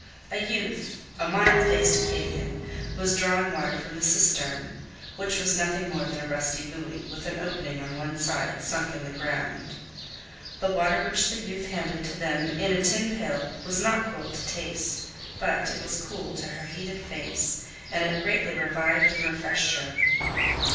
A youth, a mild faced Acadian, was drawing water from the cistern, which was nothing more than a rusty buoy, with an opening on one side, sunk in the ground. The water which the youth handed to them in a tin pail was not cold to taste, but it was cool to her heated face, and it greatly revived and refreshed her.